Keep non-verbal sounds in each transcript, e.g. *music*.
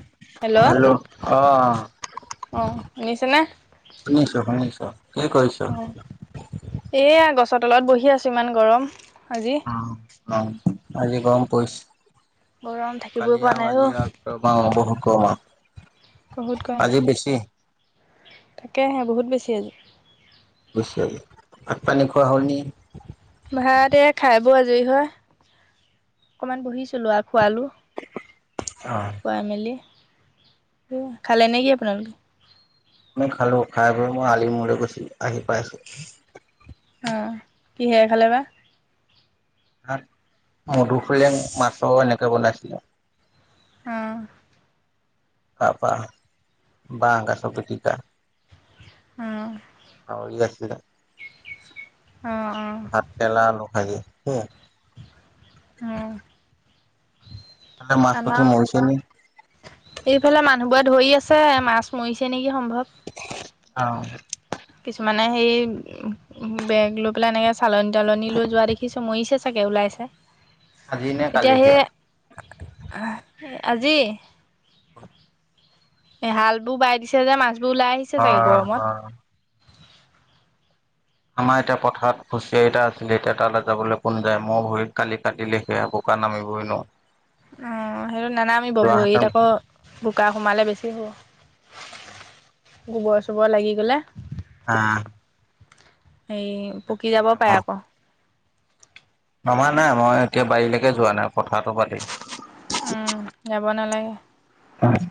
‌ Hello অঁ অ শুনিছেনে শুনিছোঁ-শুনিছোঁ কি কৰিছ? এয়া গছৰ তলত বহি আছো ইমান গৰম আজি অ-অ আজি গৰম গৰম পৰিছে থাকিবই কালি পৰা আৰু নাই আজি অ আৰু বহুত গৰম বহুত গৰম আজি বেছি তাকে হে বহুত বেছি আজি ভাত পানী খোৱা হ'ল নি ভাতে এয়া খাই বৈ আজৰি হয় অকনমান বহিছিলো আক আলো অ খোৱাই মেলি খালে নেকি আপোনালোকে? আমি খালো খাই বৈ মই আলিমূৰলৈ গৈছিলোঁ আহি পাইছোঁ অ কিহে খালে বা? ভাত মধু হুলেং মাছ এনেকে বনাইছিলে আহ *unintelligible* তাৰপা বাঁহ গছ পিতিকা *inaudible* অ *unintelligible* অ অ *unintelligible* ভাত কেৰেলা, আলু ভাজি সেইয়াই *inaudible* হুম *unintelligible* মাছ পুঠি আমাৰ মৰিছে নি? এইফালে মানুহবোৰে ধৰি আছে আছে মাছ মৰিছে নেকি সম্ভৱ। অ কিছুমানে সেই বেগ লৈ পেলাই এনেকে চালনী তালন লৈ যোৱা দেখিছো মৰিছে চাগে। উলাইছে, আজি নে এতিয়া কালি সেই সেয়া আহ আজি এ হাল বোৰ বাই দিছে যে মাছবোৰ ওলাই আহিছে অ চাগে গৰমত। অ আমাৰ এতিয়া পথাৰত খুচিয়াই এটা আছিলে এতিয়া তালে যাবলে কোন যায় মও ভৰিত কালি কাটিলে সেয়া বোকা নামিবই নোৱাৰো অ সেইটো নানাবিব যোৱাহেঁতেন ভৰিত আক বোকা সোমালে বেছি হ'ব গোবৰ চোবৰ লাগি গ'লে। হা হেই পকি যাব পাৰে মই আক। নমা নাই মই এতিয়া বাৰীলৈকে যোৱা নাই পথাৰটো বাদেই। উম যাব নালাগে। আজ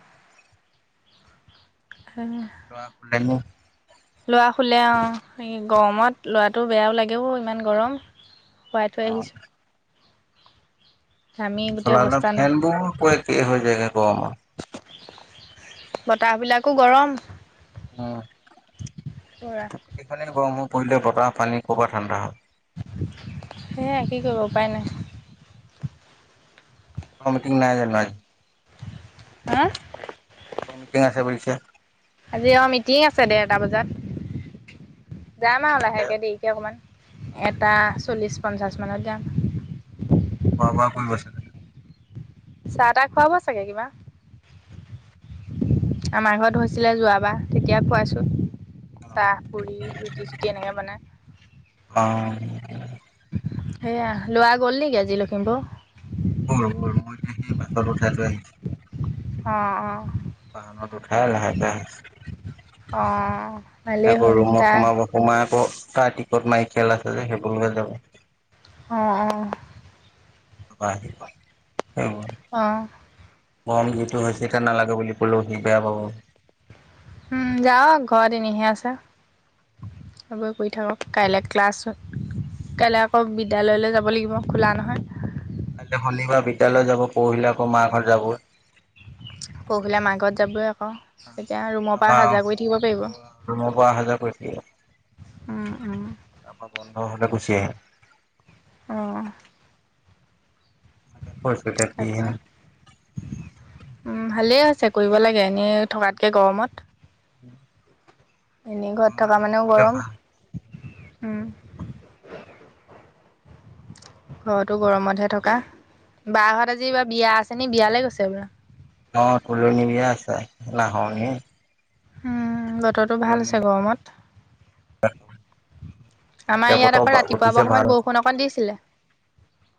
ল'ৰা শুলে নো লৰা শুলে অ গৰমত লৰাটো বেয়াও লাগেও ইমান গৰম। শুৱাই থৈ আহিছোঁ। ঘামি গোটেই চলালে অৱস্থা নাই। ফেন বোৰ ক একেই হৈ যায় গৰমত বতাহ বিলাকো গৰম পুৰা। প্ৰকৃতিখনে গৰম হৈ পৰিলে বতাহ পানী ক'ৰবাত ঠাণ্ডা হ'ব। সেয়ে কি কৰিব উপায় নাই। গোটৰ মিটিং নাই জানো আজি হা অ মিটিং আছে বুলিছে আজি অ মিটিং আছে দেৰটা বজাত যাম আৰু লাহেকে দেৰিকে অকমান। এটা চল্লিছ পঞ্চাছ মানত যাম। খোৱা বোৱা কৰি হয় পঞ্চাশ ছেনে চাহ তাহ খোৱাব চাগে কিবা। আমাৰ ঘৰত হৈছিলে যোৱাবাৰ তেতিয়া খোৱাইছো। চাহ পুৰি ৰুটি চুটি এনেকে বনায়। অ সেয়া লোৱা গ'ল নেকি আজি লখিমপুৰ। গ'ল গ'ল মাএ সেই বাছত উঠাই আহিছোঁ। অ অ বাহনত উঠাই লাহেকে আহিছোঁ। অ ভালেই আকৌ হ'ল ৰুমত তাৰ সোমাব সোমাই আকৌ তা টিকট মাৰি খেল আছে যে সেইবোৰ লৈ যাব। অ অ গুৱাহাটী পাব সেইবোৰ অ গৰম যিটো হৈছে এতিয়া নালাগে বুলি কলেও সি বেয়া পাব। উম যাওঁক ঘৰত এনেই হে আছে। আগৈ থাকক কাইলৈ ক্লাছ কাইলৈ আকৌ বিদ্যালয়লৈ যাব লাগিব খোলা নহয়। কাইলৈ শনিবাৰ বিদ্যালয় যাব পৰহিলে আকৌ মা ঘৰত যাব। পৰহিলে মাৰঘত যাবই আকৌ তেতিয়া ৰুমৰ পৰা তাৰপৰা আহা জাহা কৰি থাকিব হস্পিটেল পাৰিব। ৰুমৰ পৰা অহা যোৱা কৰি থাকিব উম উম তাৰপৰা বন্ধ হ'লে গুচি আহে। অহ থাকেন তাকে, উম ভালেই আছে কৰিব লাগে এনেই থকাতকৈ গৰমত এনেই ঘৰত গৰমত থকা সেইবোৰ মানেও কৰিলে গৰম ভাল উম ঘৰতো গৰমতহে থকা বা হত আজি এই বিয়া আছে নি বিয়ালৈ গৈছে বুৰা অ তুলনি বিয়া আছে নাহৰনি। উম বতৰটো ভাল আছে গৰমত। আমাৰ এতিয়া ইয়াত বতও আকৌ ৰাতিপুৱা পোৱা পাতিছে ভ সময়ত বৰষুণ অকণ দিছিলে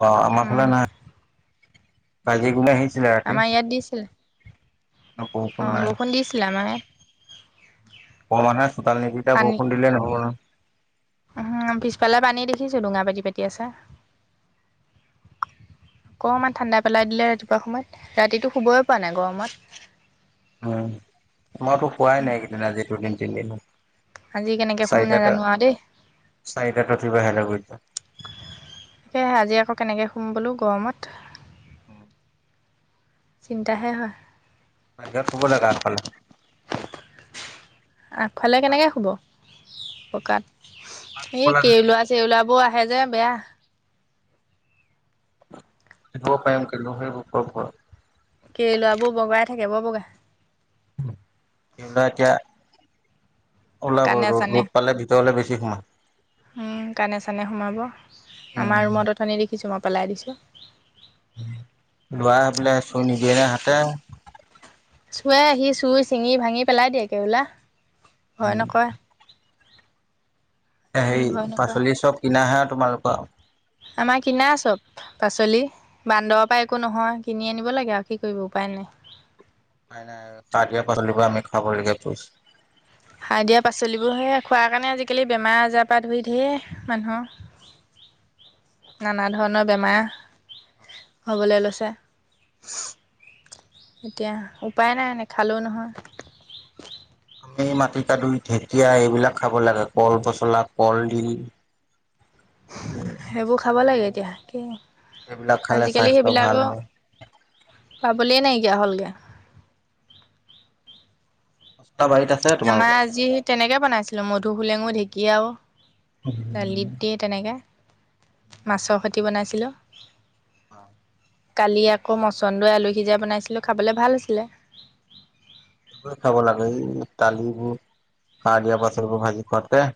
অ আমাৰ উম, ফালে নাই কাজি গুম আহিছিলে ৰাতি অ বৰষুণ দিছিলে আমাৰ ইয়াত অকনমান চোতাল নিতিতা পানী বৰষুণ দিলে নহ'ব নহয় উম পিছফালে পানী দেখিছো ডুঙা পাতি পাতি আছে অকমান ঠাণ্ডা পেলাই দিলে ৰাতিপুৱা সময়ত ৰাতিটো শুবই পোৱা নাই গৰমত। উম, মই তো হোৱাই নাই একেইদিন আজি দুদিন তিনদিন আজি কেনেকৈ শুম চাৰিটা তে নাজানো আৰু দেই চাৰিটাতে উঠি বাহিৰলৈ গৈছোঁ সেই আজি আকৌ কেনেকৈ শুম বোলো গৰমত অ চিন্তাহে হয়। বাহিৰত শুব লাগে আগফালে আগফালে কেনেকে শুব পকাত, শুব এই লাগে কেলোৱা চেওলাবোৰ আহে হে যে বেয়া *unintelligible* প এম কল হ *unintelligible* কেৰুলোৱাবোৰ বগাই থাকে বৰ বগা এতিয়া ওলাব কাণে ৰ'দ ৰ'দ পালে ভিতৰলে বেছি কে কোমাৰ *unintelligible* কানে চানে সোমাব, আমাৰ উম ৰুমত অথনি দেখিছোঁ মই পেলাই দিছোঁ। লৰা হৈ পেলাই চুৰ নিদিয়ে নে হাতে *unintelligible* চোৱাই আহি চুৰ চিঙি ভাঙি পেলাই দিয়ে কেৱলা ভয় উম নকয় হেৰি নকৰে পাচলি চব কিনাহে আৰু তোমালোকৰ আমাৰ কিনা চব পাচলি বান্দৰৰ পৰা একো নহয় কিনি আনিব লাগে আৰু কি কৰিব উপায় নাই। উপায় নাই আৰু, দিয়া পাচলিবোৰ আমি খাবলৈকে পছো সাৰ দিয়া পাচলিবোৰ সে খোৱাৰ কাৰণে আজিকালি বেমাৰ আজাৰ পৰা ধুই ধেৰ মানুহৰ নানা ধৰণৰ বেমাৰ,, হ'বলৈ লৈছে। এতিয়া উপায় নাই এনে নেখালে ও নহয় আমি মাটি কাদুই ঢেঁকীয়া, এইবিলাক খাব লাগে কল পচলা, কলডিল সেইবোৰ খাব লাগে মানিমুনি এতিয়া এইবিলাক খালে আজিকালি স্বাস্থ্য ভাল সেইবিলাকো হয়। পাবলে নাইকিয়া হ'লগে পচলা বাৰীত আছে আমাৰ তোমালোকৰ? আজি তেনেকে বনাইছিলো মধু হোলেঙো ঢেকীয়াও দালিত দিয়ে তেনেকৈ মাছৰ খতি বনাইছিলোঁ অ *unintelligible* কালি আকৌ মচন্দই আলু সিজাই বনাইছিলোঁ খাবলৈ ভাল আছিলে। চব খাব লাগে, এই দালিবোৰ সাৰ দিয়া পাচলিবোৰ ভাজি খোৱাতকে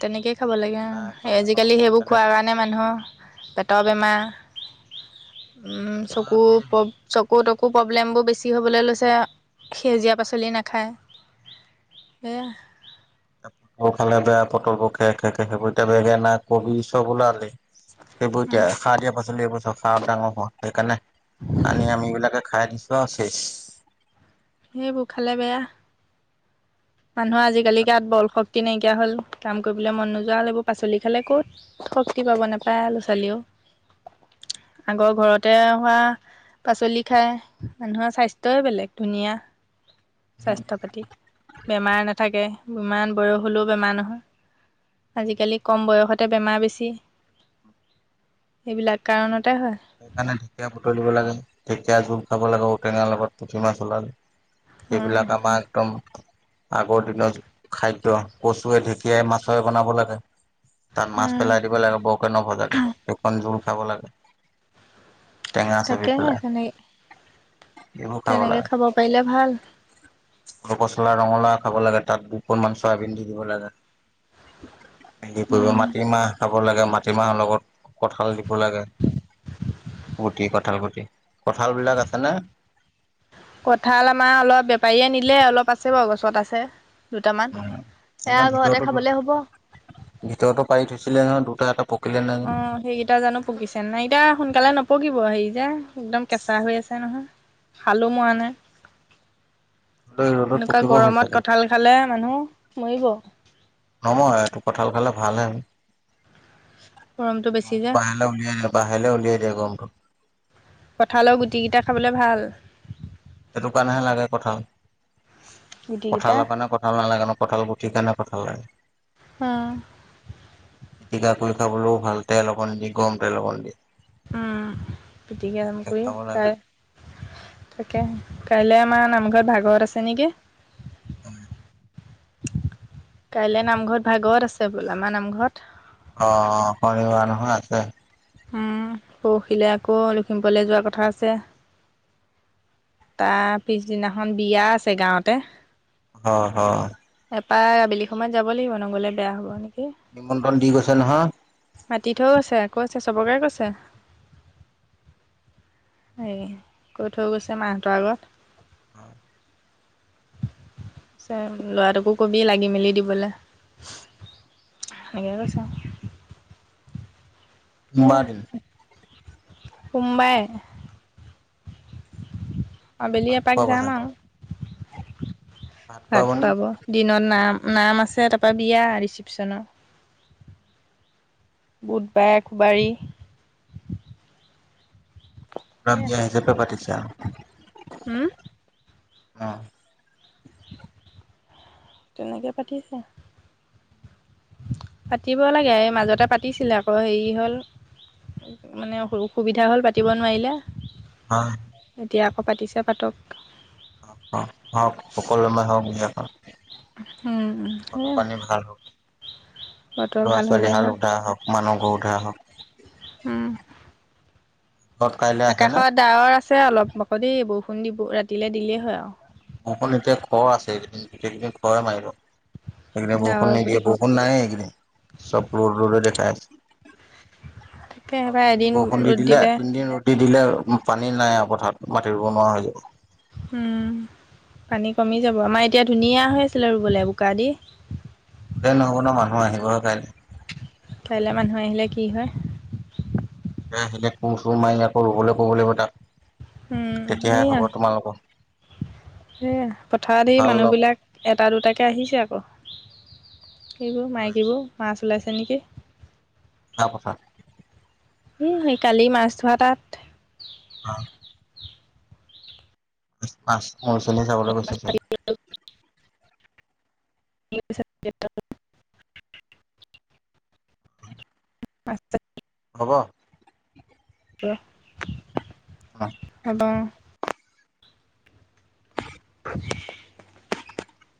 তেনেকে খাব লাগে, এখন আৰু দুখন আজিকালি অকণ সেইবোৰ বেলেগ খোৱাৰ কাৰণে মানুহৰ পেটৰ বেমাৰ উম চকু ধেৰ হ'ব। চকু প্ৰব্লেমবোৰ বেছি হ'বলৈ লৈছে, সেউজীয়া পাচলি নাখায়। সেয়া পটল খালে বেয়া পটলবোৰ খে খে খে সেইবোৰ এতিয়া বেঙেনা কবি চব ওলালে সেইবোৰ এতিয়া সাৰ দিয়া পাচলি এইবোৰ সাৰত ডাঙৰ হোৱা সেইকাৰণে আনি আমি বিলাকে খাই দিছো শেষ সেইবোৰ খালে বেয়া মানুহ আজিকালি গাত বল শক্তি তে নাইকিয়া হ'ল কাম কৰিবলৈ মন নোযোৱা হল পাচলি খালে ক'ত শক্তি পাব নাপায় ল'ৰা ছোৱালীও আগৰ ঘৰতে হোৱা পাচলি খায় মানুহৰ স্বাস্থ্যই বেলেগ ধুনীয়া স্বাস্থ্য পাতি বেমাৰ নাথাকে ইমান বয়স হলেও বেমাৰ নহয় আজিকালি কম বয়সতে বেমাৰ বেছি এইবিলাক কাৰণত সেইকাৰণে ঢেকীয়া বুটলিব লাগে ঢেকীয়া জোল খাব লাগে ঔটেঙাৰ লগত পুঠি মাছ ওলালে উম, সেইবিলাক আমাৰ একদম আগৰ দিনত খাদ্য কচুৱে ঢেঁকীয়াই মাছৰে বনাব লাগে তাত মাছ উম, পেলাই দিব লাগে বৌকে ন ভজাকে সেইখন জোল খাব লাগে। টেঙা সহি তাকেহে পেলাই তেনেকৈ এইবোৰ খাব তেনেকৈ পাৰিলে ভাল লাগে কল পচলা ৰঙালাউ খাব লাগে তাত দুপন মান চয়াবিন দি দিব লাগে হেৰি কৰিব উম, মাটিমাহ খাব লাগে মাটিমাহৰ লগত কঠাল দিব লাগে। গুটি কঠাল গুটি কঠাল বিলাক আছে নে কঁঠাল আমাৰ অলপ বেপাৰীয়ে নিলে অলপ আছে বাৰু গছত আছে দুটামান এয়া এনে ঘৰতে ভিতৰতো খাবলে হ'ব। ভিতৰতো পাৰি থৈছিলে নহয় দুটা এটা পকিলে নে অ সেইকেইটা জানো পকিছে নাই এতিয়া সোনকালে নপকিব হেৰি যে একদম কেঁচা হৈ আছে নহয় শালো মৰা নাই ৰ'দত এনেকুৱা পকিব হ'ল গৰমত চাগে কঠাল খালে মানুহ মৰিব নমৰে এইটো কঠাল খালে ভাল হে গৰমটো বেছি যে বাহিৰলৈ উলিয়াই দিয়ক বাহিৰলৈ উলিয়াই দিয়ে গমটো কঁঠালৰ গুটিকেইটা খাবলৈ ভাল। সেইটো কাৰণেহে লাগে কঁঠাল গুটিকেইটা। কঠালৰ কাৰণে কঁঠাল নালাগে ন কঁঠাল গুঠি কাৰণে *unintelligible* অহ। পিতিকা কৰি খাবলৈও ভাল তেল অকন দি গৰম তেল অলপ দি উ পিটিকি গৰম কৰি খাব লাগে প্ৰায় তাকে কাইলৈ আমাৰ নামঘৰত ভাগবত আছে নেকি হয়। কাইলে নামঘৰত ভাগৱত আছে বোলে আমাৰ নামঘৰত অ শনিবাৰ নহৈ আছে। উম পৰহিলে আকৌ লখিমপুৰলৈ যোৱা কথা আছে। তাৰ পিছদিনাখন বিয়া আছে গাঁৱতে হয় হয় তাৰপা আবেলি সময়ত যাব লাগিব নগ'লে বেয়া হ'ব নেকি নিমন্ত্ৰণ দি গৈছে নহয় মাতি থৈও গৈছে আকৌ চবকে কৈছে এই কৈ থৈ গৈছে মাহঁতৰ আগত উম্। লৰাটোকো কবি লাগি মেলি দিবলৈ এনে কৈছে সেয়া ম'বাইল। সোমবাৰে। আবেলি ভাত খোৱা এপাক কথা যাম আৰু। খোৱা ভাত মানে খুৱাব দিনত নাম নাম আছে তাৰপৰা বিয়া ৰিচিপচনৰ। বুধবাৰে একবাৰী। তাত দিয়া হিচাপে পাতিছা? উম অহ। তেনেকে পাতিছে। পাতিব লাগে। এই মাজতে পাতিছিলে আকৌ হেই হ'ল। মানে অসু অখুবিধা হ'ল পাতিব নোৱাৰিলে। হয় এতিয়া ক পাতিছে পাতক। অ সকলো মানুহক পিয়েৰ কয়। হম। সেয়া। ভাল হওক বতৰ ল'ৰা ভাল ছোৱালী হ'লেই হাল হয় উঠাই আহক মানুহ, গৰু ধোৱাই আহক। উম। ঘৰত কাইলৈ আছে নে আকাশত ডাৱৰ আছে অলপ আকৌ দেই বৰষুণ দিব ৰাতিলে দিলেই হয় আৱ। অকল এতিয়া খৰ আছে গোটেইখিনি খৰে মাৰিব। প্ৰতিবাই বৰষুন ডাৱৰ বুলি নিদিয়ে। বৰষুন নাইয়ে এইকেইদিন। চব ৰদ ৰদে দেখাই আছে। তাকে আৰু এবাৰ তিনদিন এদিন বৰষুণ দি ৰ'দ দিলে তিনদিন ৰদে দিলে আওঁ উ পানী নাই আও পথাৰত। মাটি ৰুব নোৱাৰা হৈ যাব। উম। পানী কমি যাব। আমাৰ এতিয়া ধুনীয়া হৈ আছিলে ৰুবলৈ বোকা দি। ৰুলে নহ'ব নহ। মানুহ আহিব হে কাইলে। কাইলে মানুহ আহিলে কি হয়? সেনে কো চো মাৰি আকৌ ৰুবলৈ ক'ব লাগিব তাক। উম তেতিয়াহে হ'ব সেইয়া। তোমালোকৰ এ পথাৰ দি ভাল লগ মানুহবিলাক এটা দুটাকে আহিছে আকৌ। এইবোৰ লৈ মাইকীবোৰ মাছ ওলাইছে নেকি। কা পথা? হো কালি মাছ ধৰা তাত। অ। মাছ মাছখ চাবলে গৈছে পাই। *unintelligible* পাচঁটা। হ'ব। হব। *unintelligible*